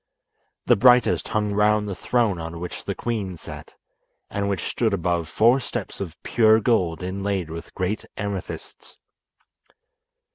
The brightest hung round the throne on which the queen sat, and which stood above four steps of pure gold inlaid with great amethysts.